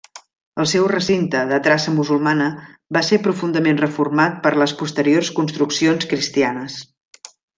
El seu recinte, de traça musulmana, va ser profundament reformat per les posteriors construccions cristianes.